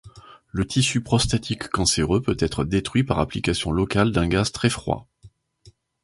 Le tissu prostatique cancéreux peut être détruit par application locale d'un gaz très froid.